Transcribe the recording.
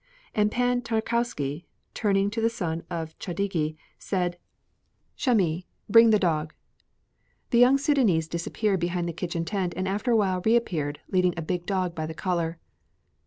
And Pan Tarkowski, turning to the son of Chadigi, said: "Chamis, bring the dog." The young Sudânese disappeared behind the kitchen tent and after a while reappeared, leading a big dog by the collar.